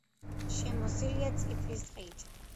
შემოსილია წიფლის ტყით.